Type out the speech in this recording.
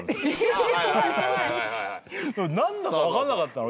何だか分かんなかったの。